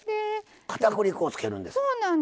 かたくり粉をつけるんですか？